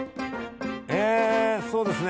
えそうですね